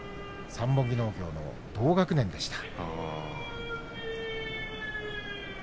三本木農業の同学年でした。